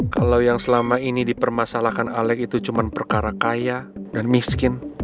kalau yang selama ini dipermasalahkan alex itu cuma perkara kaya dan miskin